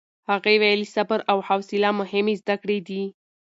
هغې ویلي، صبر او حوصله مهمې زده کړې دي.